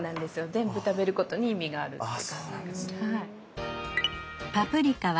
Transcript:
全部食べることに意味があるっていう。